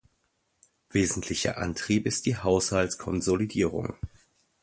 Wesentlicher Antrieb ist die Haushaltskonsolidierung.